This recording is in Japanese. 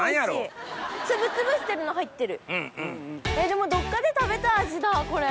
でもどっかで食べた味だこれ。